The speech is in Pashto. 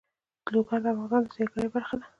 لوگر د افغانستان د سیلګرۍ برخه ده.